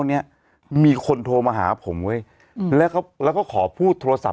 เนี้ยมีคนโทรมาหาผมเว้ยอืมแล้วก็แล้วก็ขอพูดโทรศัพ